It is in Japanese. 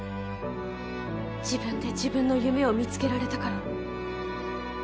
自分で自分の夢を見つけられたから。